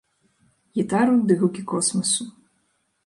Гітару ды гукі космасу.